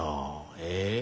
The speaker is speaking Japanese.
え？